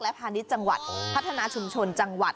พาณิชย์จังหวัดพัฒนาชุมชนจังหวัด